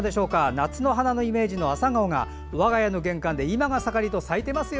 夏の花のイメージのアサガオが我が家の玄関で、今が盛りと咲いてますよ。